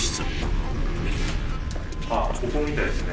あっここみたいですね。